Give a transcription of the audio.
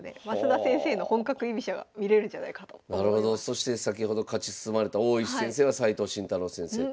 そして先ほど勝ち進まれた大石先生は斎藤慎太郎先生と。